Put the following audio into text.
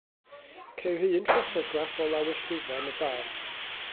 Ceir un ffotograff o lawysgrifen y bardd.